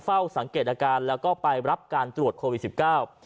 เฝ้าสังเกตอาการแล้วก็ไปรับการตรวจโควิดสิบเก้า